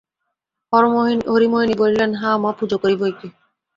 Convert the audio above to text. হরিমোহিনী বলিলেন, হাঁ মা, পুজো করি বৈকি।